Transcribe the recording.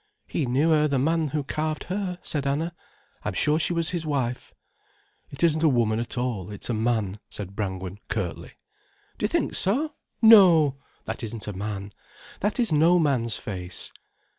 "He knew her, the man who carved her," said Anna. "I'm sure she was his wife." "It isn't a woman at all, it's a man," said Brangwen curtly. "Do you think so?—No! That isn't a man. That is no man's face."